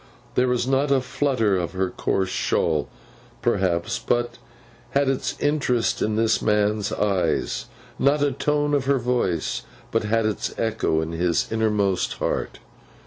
There was not a flutter of her coarse shawl, perhaps, but had its interest in this man's eyes; not a tone of her voice but had its echo in his innermost heart.